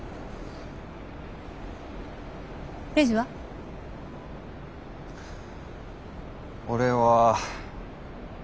レイジは？俺は。